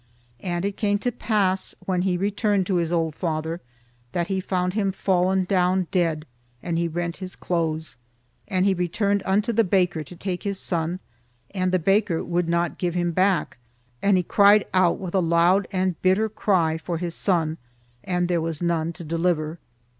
And it came to pass, when he returned to his old father, that he found him fallen down dead and he rent his clothes. And he returned unto the baker to take his son and the baker would not give him back and he cried out with a loud and bitter cry for his son and there was none to deliver."